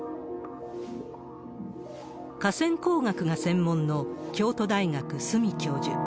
河川工学が専門の、京都大学、角教授。